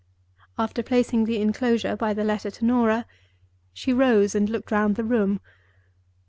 After placing the inclosure by the letter to Norah, she rose and looked round the room.